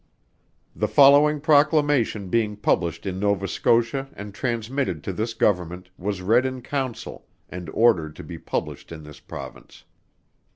The following proclamation being published in Nova Scotia and transmitted to this government, was read in Council, and ordered to be published in this Province.